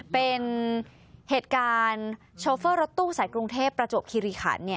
เป็นเหตุการณ์โชเฟอร์รถตู้สายกรุงเทพประจวบคิริขัน